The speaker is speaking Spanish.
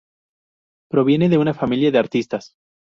Proviene de una familia de artistas.